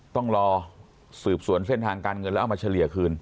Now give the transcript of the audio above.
ต้องรอสืบสวนเส้นทางการเงินแล้วเอามาเฉลี่ยคืน